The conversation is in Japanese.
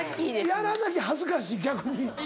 やらなきゃ恥ずかしい逆に。